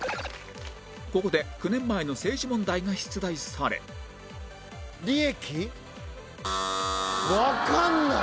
ここで９年前の政治問題が出題され利益？わかんない！